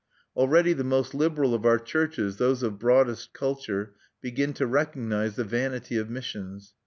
Already the most liberal of our churches, those of broadest culture, begin to recognize the vanity of missions.